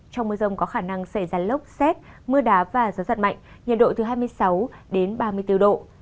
trong mưa rông có khả năng xảy ra lốc xét mưa đá và gió giật mạnh nhiệt độ từ hai mươi sáu đến ba mươi bốn độ